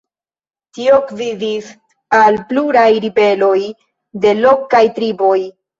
Tio gvidis al pluraj ribeloj de lokaj triboj.